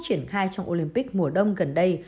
triển khai trong olympic mùa đông gần đây